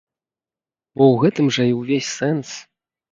Бо ў гэтым жа і ўвесь сэнс!